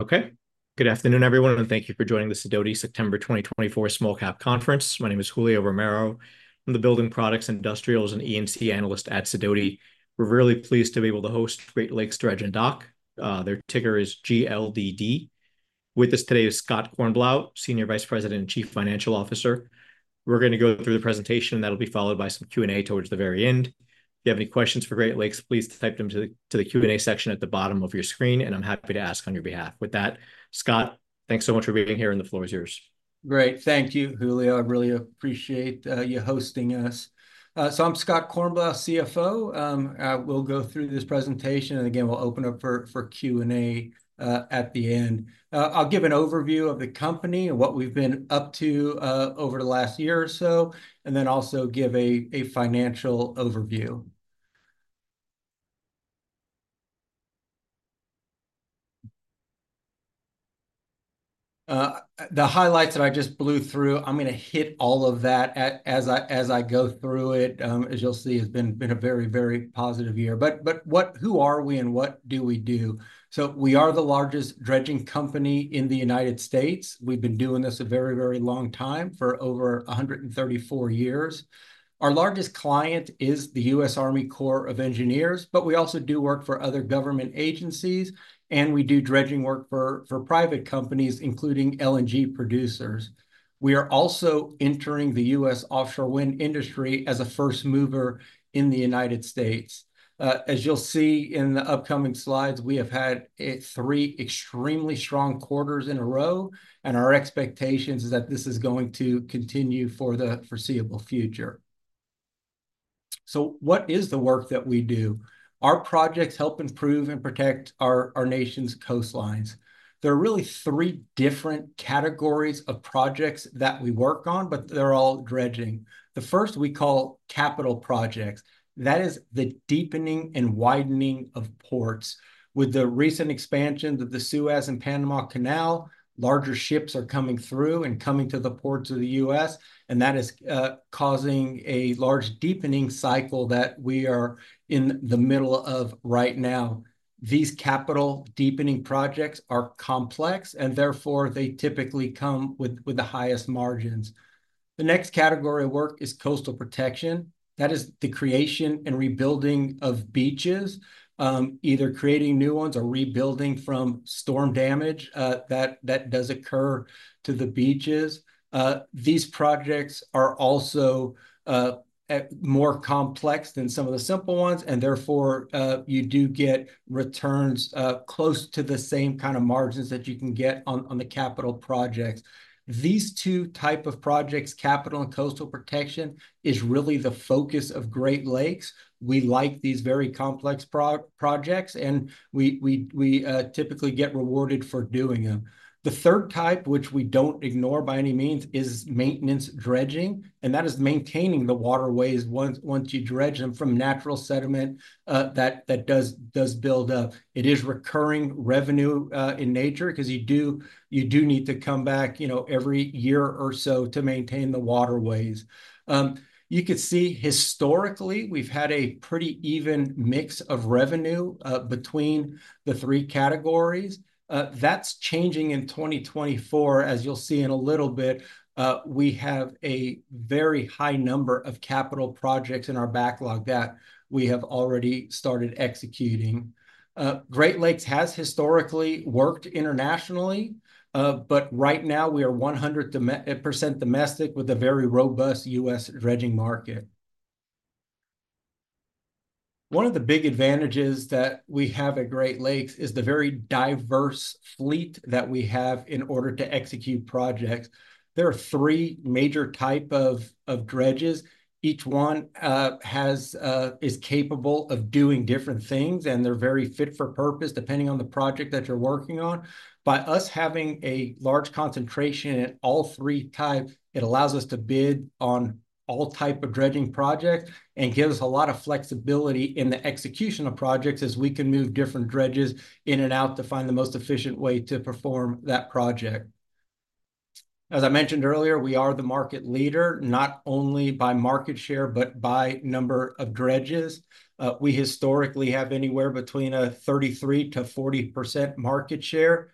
Okay. Good afternoon, everyone, and thank you for joining the Sidoti September 2024 Small Cap Conference. My name is Julio Romero. I'm the Building Products, Industrials, and EMC analyst at Sidoti. We're really pleased to be able to host Great Lakes Dredge & Dock. Their ticker is GLDD. With us today is Scott Kornblau, Senior Vice President and Chief Financial Officer. We're gonna go through the presentation, that'll be followed by some Q&A towards the very end. If you have any questions for Great Lakes, please type them to the Q&A section at the bottom of your screen, and I'm happy to ask on your behalf. With that, Scott, thanks so much for being here, and the floor is yours. Great. Thank you, Julio. I really appreciate you hosting us. So I'm Scott Kornblau, CFO. I will go through this presentation, and again, we'll open up for Q&A at the end. I'll give an overview of the company and what we've been up to over the last year or so, and then also give a financial overview. The highlights that I just blew through, I'm gonna hit all of that as I go through it. As you'll see, it's been a very, very positive year. But who are we, and what do we do? So we are the largest dredging company in the United States. We've been doing this a very, very long time, for over 134 years. Our largest client is the U.S. Army Corps of Engineers, but we also do work for other government agencies, and we do dredging work for private companies, including LNG producers. We are also entering the U.S. offshore wind industry as a first mover in the United States. As you'll see in the upcoming slides, we have had three extremely strong quarters in a row, and our expectations is that this is going to continue for the foreseeable future. What is the work that we do? Our projects help improve and protect our nation's coastlines. There are really three different categories of projects that we work on, but they're all dredging. The first we call capital projects. That is the deepening and widening of ports. With the recent expansion to the Suez and Panama Canal, larger ships are coming through and coming to the ports of the U.S., and that is causing a large deepening cycle that we are in the middle of right now. These capital deepening projects are complex, and therefore, they typically come with the highest margins. The next category of work is coastal protection. That is the creation and rebuilding of beaches, either creating new ones or rebuilding from storm damage, that does occur to the beaches. These projects are also at more complex than some of the simple ones, and therefore, you do get returns close to the same kind of margins that you can get on the capital projects. These two type of projects, capital and coastal protection, is really the focus of Great Lakes. We like these very complex projects, and we typically get rewarded for doing them. The third type, which we don't ignore by any means, is maintenance dredging, and that is maintaining the waterways once you dredge them from natural sediment, that does build up. It is recurring revenue in nature, 'cause you do need to come back, you know, every year or so to maintain the waterways. You could see historically, we've had a pretty even mix of revenue between the three categories. That's changing in 2024, as you'll see in a little bit. We have a very high number of capital projects in our backlog that we have already started executing. Great Lakes has historically worked internationally, but right now we are 100% domestic with a very robust U.S. dredging market. One of the big advantages that we have at Great Lakes is the very diverse fleet that we have in order to execute projects. There are three major type of dredges. Each one is capable of doing different things, and they're very fit for purpose, depending on the project that you're working on. By us having a large concentration in all three type, it allows us to bid on all type of dredging project and gives us a lot of flexibility in the execution of projects, as we can move different dredges in and out to find the most efficient way to perform that project. As I mentioned earlier, we are the market leader, not only by market share but by number of dredges. We historically have anywhere between a 33%-40% market share.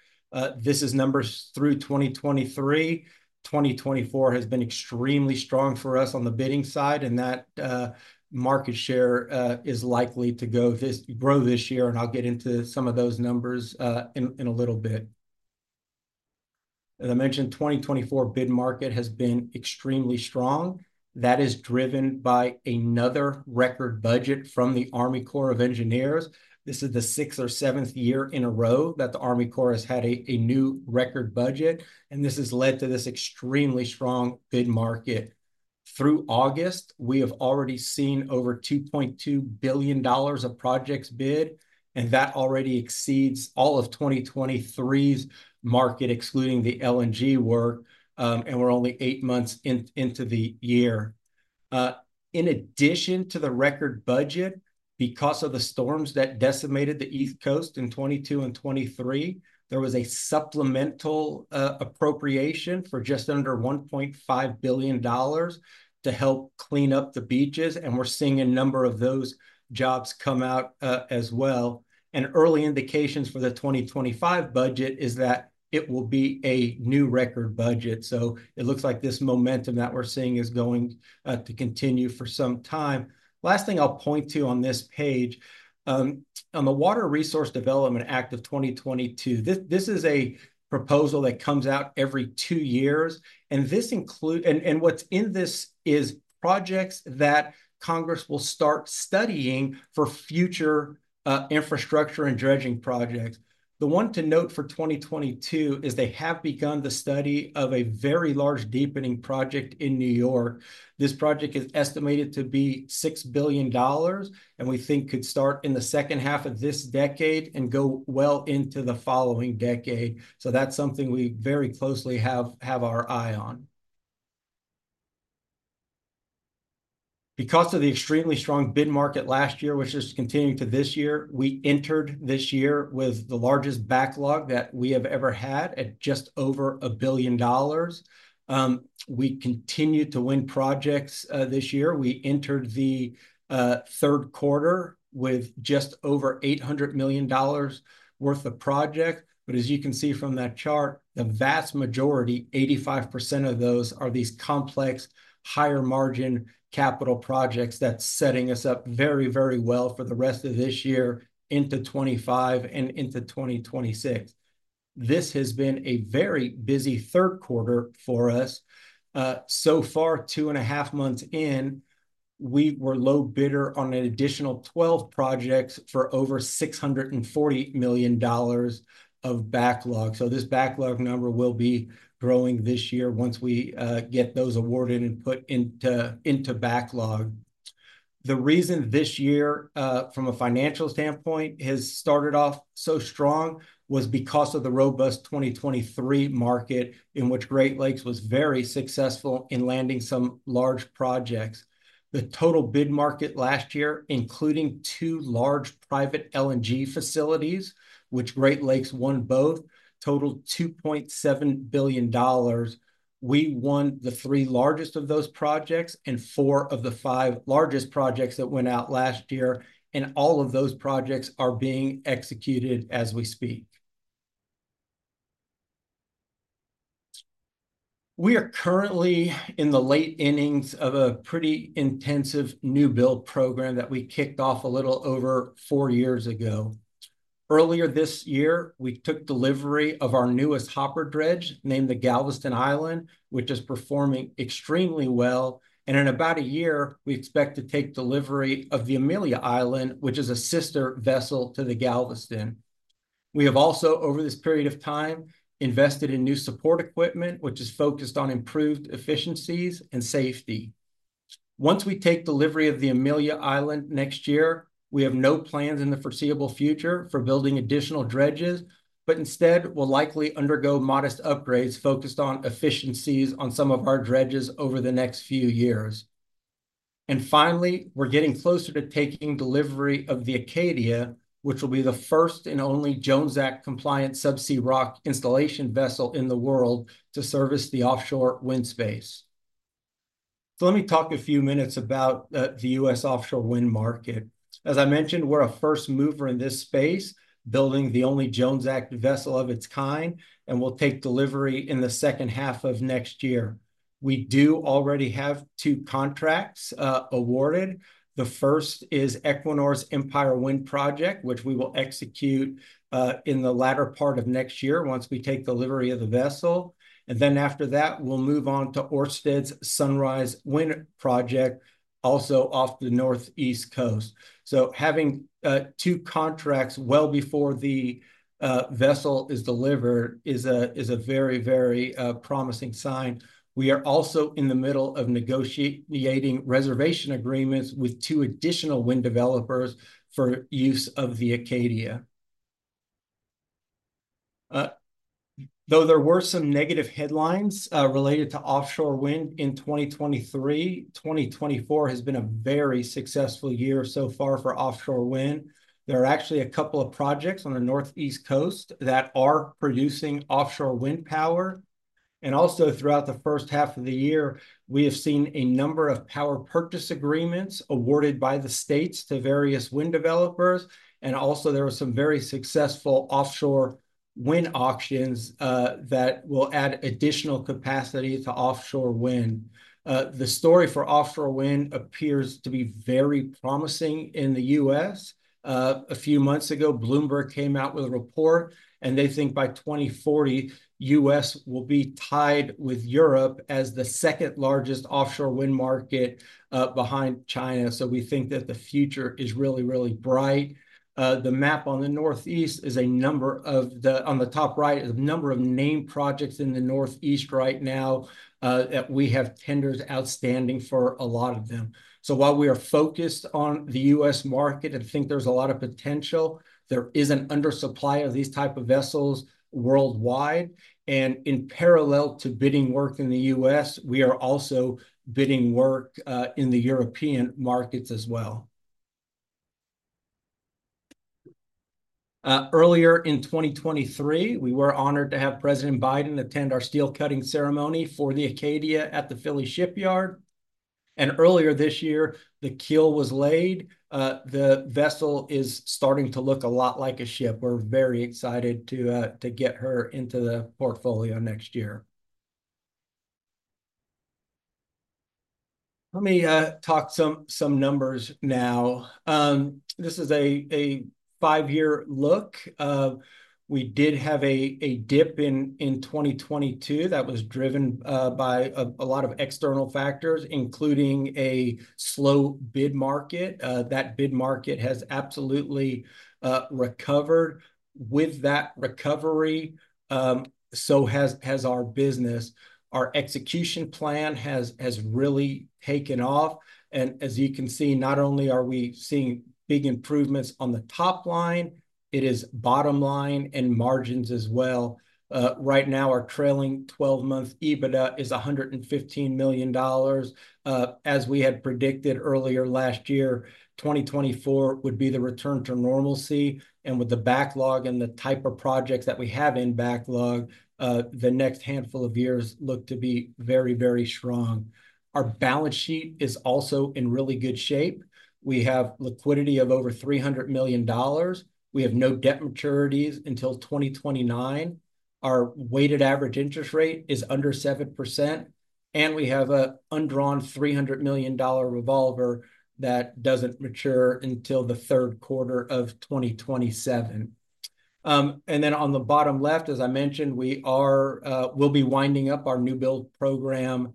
This is numbers through 2023. 2024 has been extremely strong for us on the bidding side, and that market share is likely to grow this year, and I'll get into some of those numbers in a little bit. As I mentioned, 2024 bid market has been extremely strong. That is driven by another record budget from the Army Corps of Engineers. This is the sixth or seventh year in a row that the Army Corps has had a new record budget, and this has led to this extremely strong bid market. Through August, we have already seen over $2.2 billion of projects bid, and that already exceeds all of 2023's market, excluding the LNG work, and we're only eight months into the year. In addition to the record budget, because of the storms that decimated the East Coast in 2022 and 2023, there was a supplemental appropriation for just under $1.5 billion to help clean up the beaches, and we're seeing a number of those jobs come out, as well. Early indications for the 2025 budget is that it will be a new record budget, so it looks like this momentum that we're seeing is going to continue for some time. Last thing I'll point to on this page, on the Water Resources Development Act of 2022, this is a proposal that comes out every two years, and what's in this is projects that Congress will start studying for future infrastructure and dredging projects. The one to note for 2022 is they have begun the study of a very large deepening project in New York. This project is estimated to be $6 billion, and we think could start in the second half of this decade and go well into the following decade. So that's something we very closely have our eye on. Because of the extremely strong bid market last year, which is continuing to this year, we entered this year with the largest backlog that we have ever had at just over $1 billion. We continued to win projects this year. We entered the third quarter with just over $800 million worth of project, but as you can see from that chart, the vast majority, 85% of those, are these complex, higher-margin capital projects that's setting us up very, very well for the rest of this year into 2025 and into 2026. This has been a very busy third quarter for us. So far, two and a half months in, we were low bidder on an additional 12 projects for over $640 million of backlog, so this backlog number will be growing this year once we get those awarded and put into backlog. The reason this year from a financial standpoint has started off so strong was because of the robust 2023 market, in which Great Lakes was very successful in landing some large projects. The total bid market last year, including two large private LNG facilities, which Great Lakes won both, totaled $2.7 billion. We won the three largest of those projects and four of the five largest projects that went out last year, and all of those projects are being executed as we speak. We are currently in the late innings of a pretty intensive new build program that we kicked off a little over four years ago. Earlier this year, we took delivery of our newest hopper dredge, named the Galveston Island, which is performing extremely well, and in about a year, we expect to take delivery of the Amelia Island, which is a sister vessel to the Galveston. We have also, over this period of time, invested in new support equipment, which is focused on improved efficiencies and safety. Once we take delivery of the Amelia Island next year, we have no plans in the foreseeable future for building additional dredges, but instead, we'll likely undergo modest upgrades focused on efficiencies on some of our dredges over the next few years. And finally, we're getting closer to taking delivery of the Acadia, which will be the first and only Jones Act-compliant subsea rock installation vessel in the world to service the offshore wind space. So let me talk a few minutes about the U.S. offshore wind market. As I mentioned, we're a first mover in this space, building the only Jones Act vessel of its kind, and we'll take delivery in the second half of next year. We do already have two contracts awarded. The first is Equinor's Empire Wind project, which we will execute in the latter part of next year once we take delivery of the vessel, and then after that, we'll move on to Ørsted's Sunrise Wind project, also off the northeast coast. So having two contracts well before the vessel is delivered is a very, very promising sign. We are also in the middle of negotiating reservation agreements with two additional wind developers for use of the Acadia. Though there were some negative headlines related to offshore wind in 2023, 2024 has been a very successful year so far for offshore wind. There are actually a couple of projects on the Northeast coast that are producing offshore wind power, and also throughout the first half of the year, we have seen a number of power purchase agreements awarded by the states to various wind developers, and also there were some very successful offshore wind auctions that will add additional capacity to offshore wind. The story for offshore wind appears to be very promising in the U.S. A few months ago, Bloomberg came out with a report, and they think by 2040, U.S. will be tied with Europe as the second-largest offshore wind market behind China. So we think that the future is really, really bright. The map on the Northeast is a number of the... On the top right, is the number of named projects in the Northeast right now, that we have tenders outstanding for a lot of them. So while we are focused on the US market and think there's a lot of potential, there is an undersupply of these type of vessels worldwide, and in parallel to bidding work in the US, we are also bidding work in the European markets as well. Earlier in 2023, we were honored to have President Biden attend our steel cutting ceremony for the Acadia at the Philly Shipyard, and earlier this year, the keel was laid. The vessel is starting to look a lot like a ship. We're very excited to get her into the portfolio next year. Let me talk some numbers now. This is a five-year look. We did have a dip in 2022 that was driven by a lot of external factors, including a slow bid market. That bid market has absolutely recovered. With that recovery, so has our business. Our execution plan has really taken off, and as you can see, not only are we seeing big improvements on the top line, it is bottom line and margins as well. Right now, our trailing 12-month EBITDA is $115 million. As we had predicted earlier last year, 2024 would be the return to normalcy, and with the backlog and the type of projects that we have in backlog, the next handful of years look to be very, very strong. Our balance sheet is also in really good shape. We have liquidity of over $300 million. We have no debt maturities until 2029. Our weighted average interest rate is under 7%, and we have a undrawn $300 million revolver that doesn't mature until the third quarter of 2027. And then on the bottom left, as I mentioned, we'll be winding up our new build program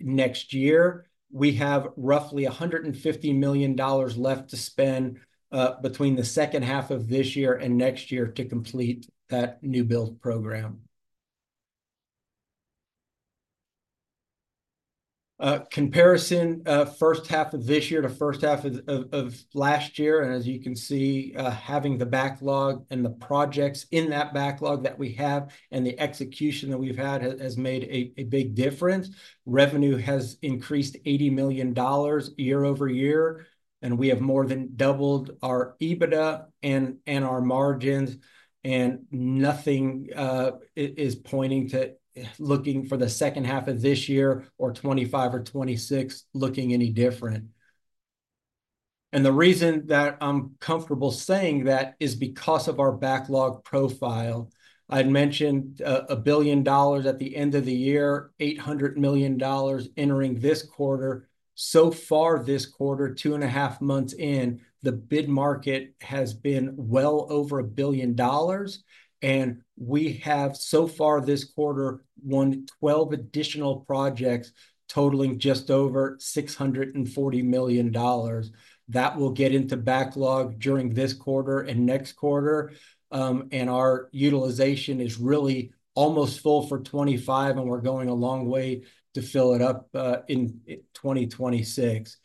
next year. We have roughly $150 million left to spend between the second half of this year and next year to complete that new build program. A comparison, first half of this year to first half of last year, and as you can see, having the backlog and the projects in that backlog that we have and the execution that we've had has made a big difference. Revenue has increased $80 million year over year, and we have more than doubled our EBITDA and our margins, and nothing is pointing to looking for the second half of this year or 2025 or 2026 looking any different. The reason that I'm comfortable saying that is because of our backlog profile. I'd mentioned a billion dollars at the end of the year, $800 million entering this quarter. So far this quarter, two and a half months in, the bid market has been well over a billion dollars, and we have so far this quarter won 12 additional projects totaling just over $640 million. That will get into backlog during this quarter and next quarter. And our utilization is really almost full for 2025, and we're going a long way to fill it up in 2026.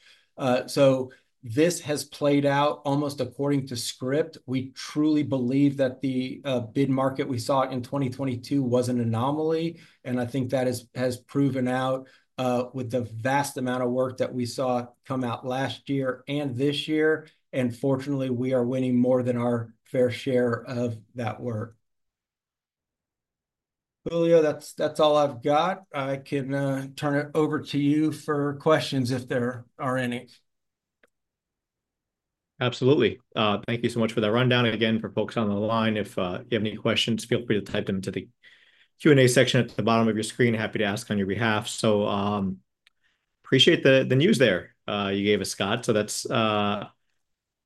So this has played out almost according to script. We truly believe that the bid market we saw in 2022 was an anomaly, and I think that has proven out with the vast amount of work that we saw come out last year and this year, and fortunately, we are winning more than our fair share of that work. Julio, that's all I've got. I can turn it over to you for questions if there are any. Absolutely. Thank you so much for that rundown. And again, for folks on the line, if you have any questions, feel free to type them into the Q&A section at the bottom of your screen. Happy to ask on your behalf. So, appreciate the news there you gave us, Scott. So that's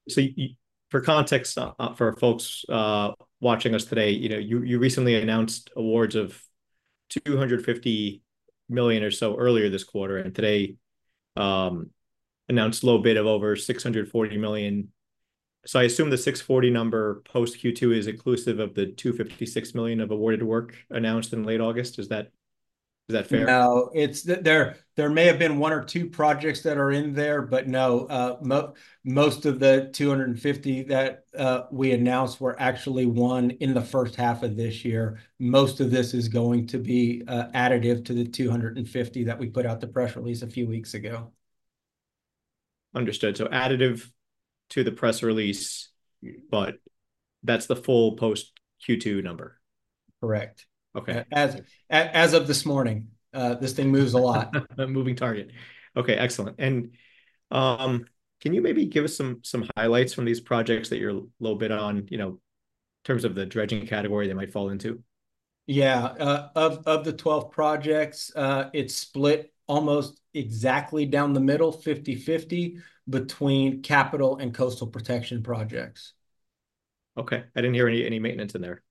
so for context, for folks watching us today, you know, you recently announced awards of $250 million or so earlier this quarter, and today, announced low bid of over $640 million. So I assume the $640 number post Q2 is inclusive of the $256 million of awarded work announced in late August. Is that fair? No, it's there. There may have been one or two projects that are in there, but no, most of the 250 that we announced were actually won in the first half of this year. Most of this is going to be additive to the 250 that we put out the press release a few weeks ago. Understood. So additive to the press release, but that's the full post Q2 number? Correct. Okay. As of this morning, this thing moves a lot. A moving target. Okay, excellent. And, can you maybe give us some highlights from these projects that you're low bid on, you know, in terms of the dredging category they might fall into? Yeah. Of the 12 projects, it's split almost exactly down the middle, 50/50, between capital and coastal protection projects. Okay, I didn't hear any maintenance in there.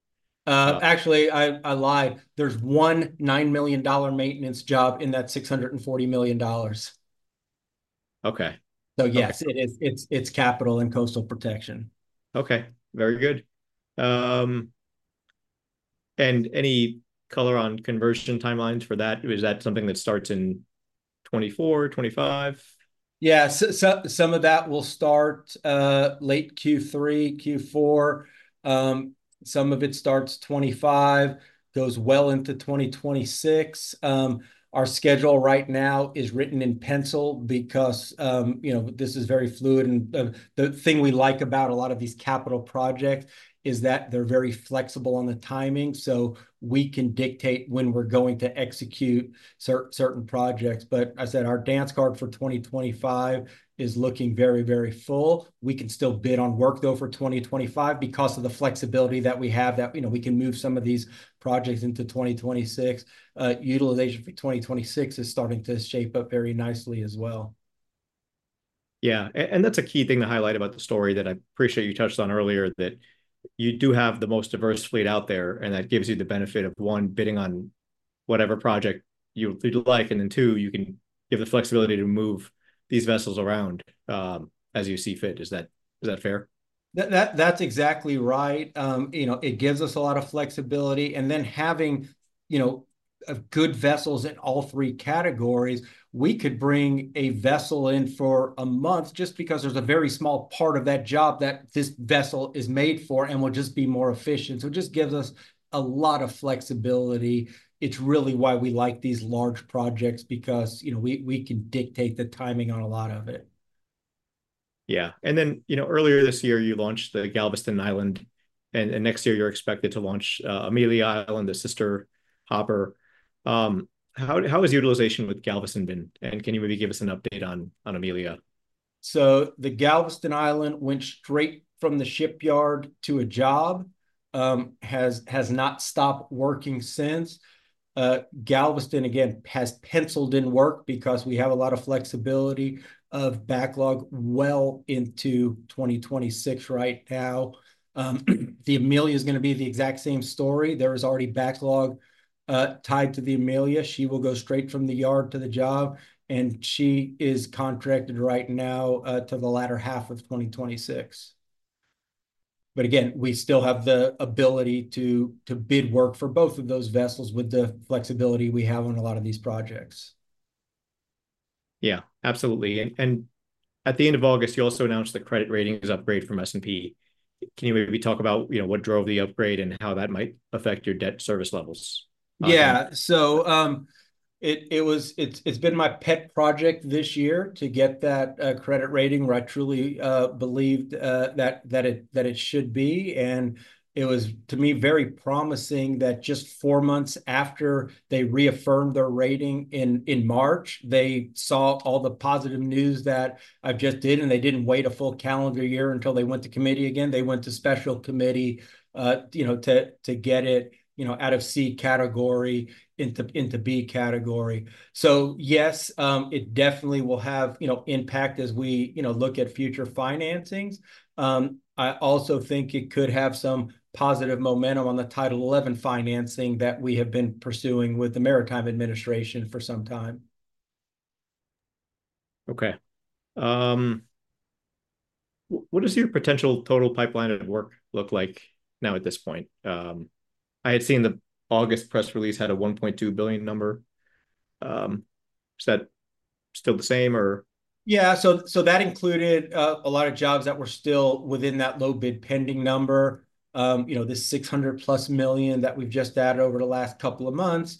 Actually, I lied. There's one $9 million maintenance job in that $640 million. Okay. So yes- Okay It is. It's capital and coastal protection. Okay, very good. And any color on conversion timelines for that? Is that something that starts in 2024, 2025? Yeah, some of that will start late Q3, Q4. Some of it starts 2025, goes well into 2026. Our schedule right now is written in pencil because you know, this is very fluid, and the thing we like about a lot of these capital projects is that they're very flexible on the timing, so we can dictate when we're going to execute certain projects. But as I said, our dance card for 2025 is looking very, very full. We can still bid on work, though, for 2025 because of the flexibility that we have, that you know, we can move some of these projects into 2026. Utilization for 2026 is starting to shape up very nicely as well. Yeah, and that's a key thing to highlight about the story, that I appreciate you touched on earlier, that you do have the most diverse fleet out there, and that gives you the benefit of, one, bidding on whatever project you feel like, and then two, you can... You have the flexibility to move these vessels around, as you see fit. Is that fair? That's exactly right. You know, it gives us a lot of flexibility, and then having, you know, a good vessels in all three categories, we could bring a vessel in for a month just because there's a very small part of that job that this vessel is made for and will just be more efficient. So it just gives us a lot of flexibility. It's really why we like these large projects because, you know, we can dictate the timing on a lot of it. Yeah. And then, you know, earlier this year, you launched the Galveston Island, and next year you're expected to launch Amelia Island, the sister hopper. How has utilization with Galveston been? And can you maybe give us an update on Amelia? So the Galveston Island went straight from the shipyard to a job, has not stopped working since. Galveston, again, has penciled in work because we have a lot of flexibility of backlog well into 2026 right now. The Amelia's gonna be the exact same story. There is already backlog tied to the Amelia. She will go straight from the yard to the job, and she is contracted right now to the latter half of 2026. But again, we still have the ability to bid work for both of those vessels with the flexibility we have on a lot of these projects. Yeah, absolutely. And, and at the end of August, you also announced the credit ratings upgrade from S&P. Can you maybe talk about, you know, what drove the upgrade and how that might affect your debt service levels? Yeah. So, it was. It's been my pet project this year to get that credit rating where I truly believed that it should be. And it was, to me, very promising that just four months after they reaffirmed their rating in March, they saw all the positive news that I've just did, and they didn't wait a full calendar year until they went to committee again. They went to special committee, you know, to get it, you know, out of C category into B category. Yes, it definitely will have, you know, impact as we, you know, look at future financings. I also think it could have some positive momentum on the Title XI financing that we have been pursuing with the Maritime Administration for some time. Okay. What is your potential total pipeline of work look like now at this point? I had seen the August press release had a $1.2 billion number. Is that still the same or? Yeah, so that included a lot of jobs that were still within that low bid pending number. You know, the $600-plus million that we've just added over the last couple of months,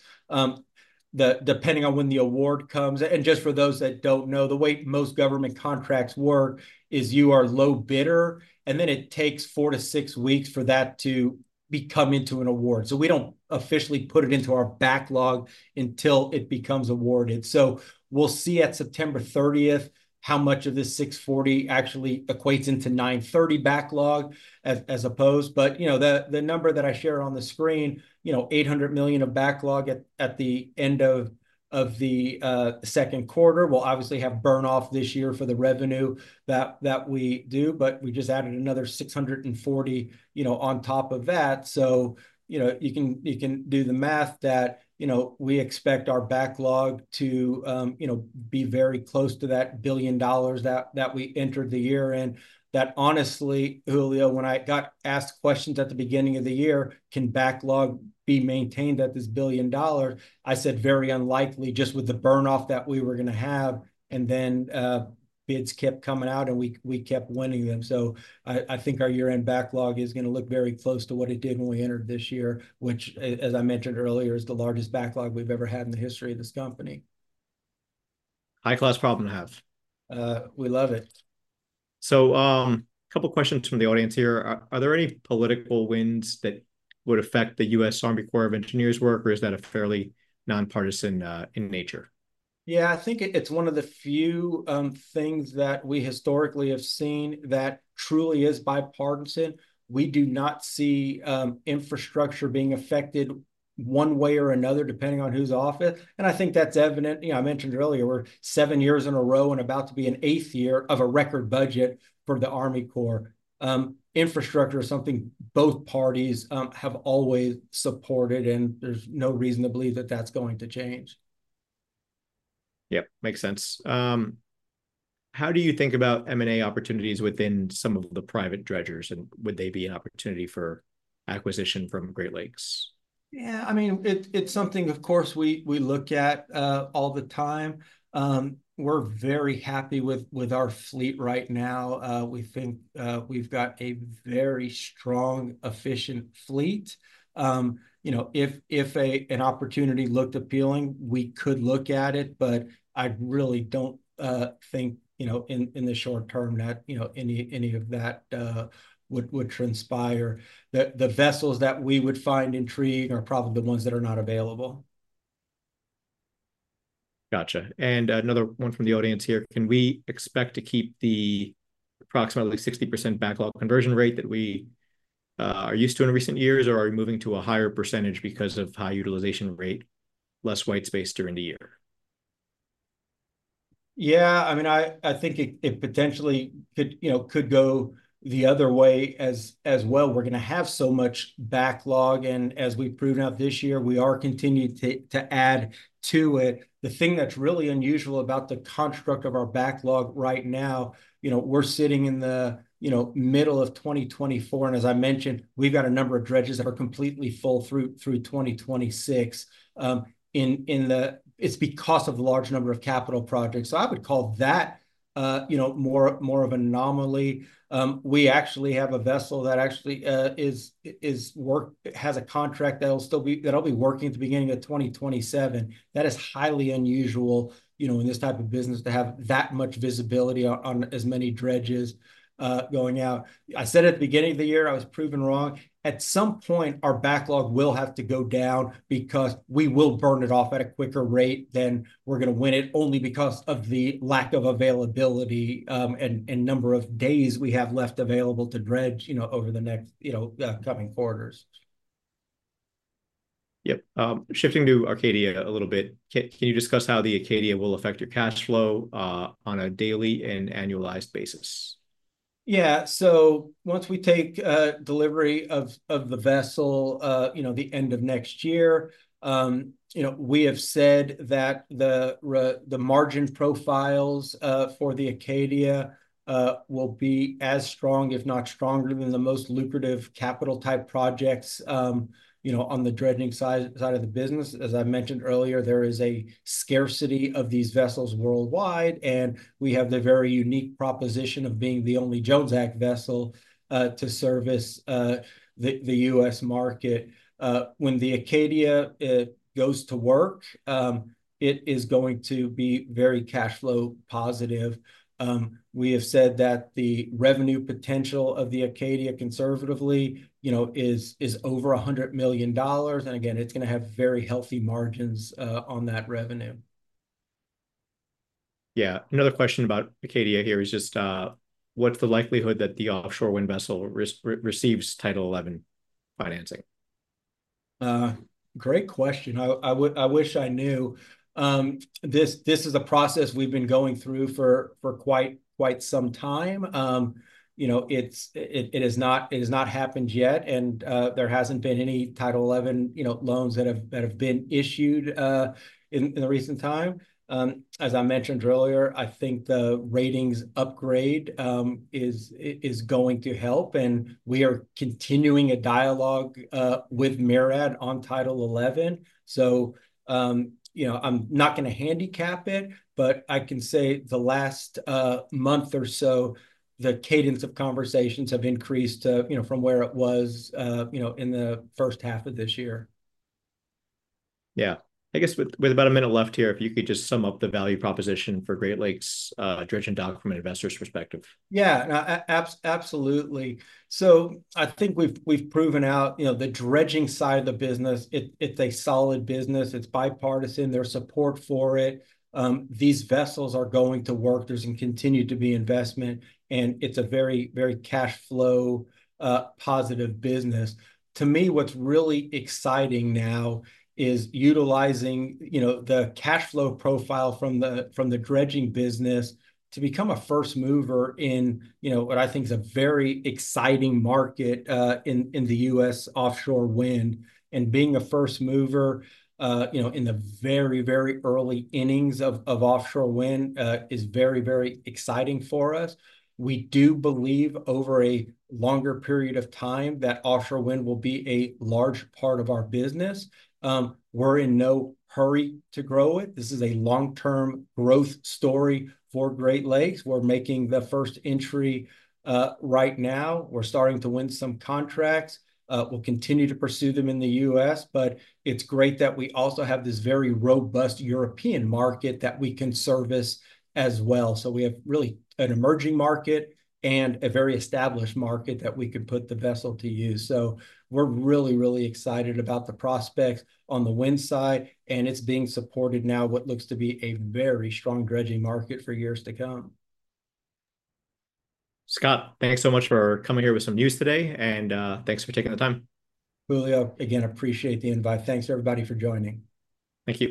depending on when the award comes. Just for those that don't know, the way most government contracts work is you are low bidder, and then it takes four to six weeks for that to become into an award. So we don't officially put it into our backlog until it becomes awarded. So we'll see at September 30th, how much of this $640 million actually equates into September 30 backlog as opposed. But, you know, the number that I share on the screen, you know, $800 million of backlog at the end of the second quarter will obviously have burn-off this year for the revenue that we do, but we just added another $640 million, you know, on top of that. So, you know, you can do the math that, you know, we expect our backlog to, you know, be very close to that $1 billion that we entered the year in. That honestly, Julio, when I got asked questions at the beginning of the year, "Can backlog be maintained at this $1 billion?" I said, "Very unlikely," just with the burn-off that we were gonna have, and then bids kept coming out, and we kept winning them. So I think our year-end backlog is gonna look very close to what it did when we entered this year, which, as I mentioned earlier, is the largest backlog we've ever had in the history of this company. High-class problem to have. We love it. So, couple questions from the audience here: Are there any political winds that would affect the U.S. Army Corps of Engineers work, or is that a fairly nonpartisan in nature? Yeah, I think it's one of the few things that we historically have seen that truly is bipartisan. We do not see infrastructure being affected one way or another, depending on who's in office, and I think that's evident. You know, I mentioned earlier, we're seven years in a row and about to be an eighth year of a record budget for the Army Corps. Infrastructure is something both parties have always supported, and there's no reason to believe that that's going to change. Yep, makes sense. How do you think about M&A opportunities within some of the private dredgers, and would they be an opportunity for acquisition from Great Lakes? Yeah, I mean, it's something of course we look at all the time. We're very happy with our fleet right now. We think we've got a very strong, efficient fleet. You know, if an opportunity looked appealing, we could look at it, but I really don't think, you know, in the short term that, you know, any of that would transpire. The vessels that we would find intriguing are probably the ones that are not available. Gotcha. And, another one from the audience here: "Can we expect to keep the approximately 60% backlog conversion rate that we are used to in recent years, or are we moving to a higher percentage because of high utilization rate, less white space during the year? Yeah, I mean, I think it potentially could, you know, could go the other way as well. We're gonna have so much backlog, and as we've proven out this year, we are continuing to add to it. The thing that's really unusual about the construct of our backlog right now, you know, we're sitting in the, you know, middle of 2024, and as I mentioned, we've got a number of dredges that are completely full through 2026. And it's because of the large number of capital projects. So I would call that, you know, more of an anomaly. We actually have a vessel that has a contract that'll be working at the beginning of 2027. That is highly unusual, you know, in this type of business, to have that much visibility on, on as many dredges, going out. I said at the beginning of the year, I was proven wrong. At some point, our backlog will have to go down because we will burn it off at a quicker rate than we're gonna win it, only because of the lack of availability, and, and number of days we have left available to dredge, you know, over the next, you know, coming quarters. Yep. Shifting to Acadia a little bit, can you discuss how the Acadia will affect your cash flow on a daily and annualized basis? Yeah, so once we take delivery of the vessel, you know, the end of next year, you know, we have said that the margin profiles for the Acadia will be as strong, if not stronger, than the most lucrative capital-type projects, you know, on the dredging side of the business. As I mentioned earlier, there is a scarcity of these vessels worldwide, and we have the very unique proposition of being the only Jones Act vessel to service the U.S. market. When the Acadia goes to work, it is going to be very cash flow positive. We have said that the revenue potential of the Acadia, conservatively, you know, is over $100 million, and again, it's gonna have very healthy margins on that revenue. Yeah. Another question about Acadia here is just: "What's the likelihood that the offshore wind vessel receives Title XI financing? Great question. I wish I knew. This is a process we've been going through for quite some time. You know, it is not, it has not happened yet, and there hasn't been any Title XI, you know, loans that have been issued in the recent time. As I mentioned earlier, I think the ratings upgrade is going to help, and we are continuing a dialogue with MARAD on Title XI. You know, I'm not gonna handicap it, but I can say the last month or so, the cadence of conversations have increased, you know, from where it was in the first half of this year. Yeah. I guess with about a minute left here, if you could just sum up the value proposition for Great Lakes Dredge & Dock, from an investor's perspective? Yeah, absolutely. So I think we've proven out, you know, the dredging side of the business. It's a solid business. It's bipartisan. There's support for it. These vessels are going to work. There's going to continue to be investment, and it's a very, very cash flow positive business. To me, what's really exciting now is utilizing, you know, the cash flow profile from the dredging business to become a first mover in, you know, what I think is a very exciting market in the US offshore wind. And being a first mover, you know, in the very, very early innings of offshore wind is very, very exciting for us. We do believe over a longer period of time that offshore wind will be a large part of our business. We're in no hurry to grow it. This is a long-term growth story for Great Lakes. We're making the first entry right now. We're starting to win some contracts. We'll continue to pursue them in the U.S., but it's great that we also have this very robust European market that we can service as well. So we have really an emerging market and a very established market that we can put the vessel to use. So we're really, really excited about the prospects on the wind side, and it's being supported now what looks to be a very strong dredging market for years to come. Scott, thanks so much for coming here with some news today, and thanks for taking the time. Julio, again, appreciate the invite. Thanks, everybody, for joining. Thank you.